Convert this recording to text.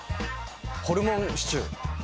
ホルモンシチュー！？